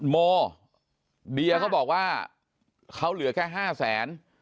โมเดียเขาบอกว่าเขาเหลือแค่๕แสน